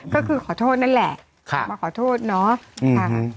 ก็คือขอโทษนั่นแหละค่ะมาขอโทษเนอะอือฮือ